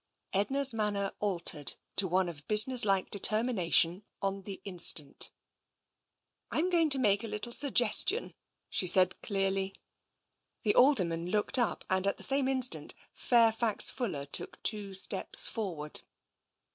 Edna's manner altered to one of businesslike deter mination on the instant. " Tm going to make a little suggestion," she said clearly. The Alderman looked up, and at the same instant Fairfax Fuller took two steps forward.